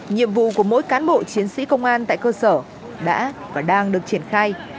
nhiệm vụ của mỗi cán bộ chiến sĩ công an tại cơ sở đã và đang được triển khai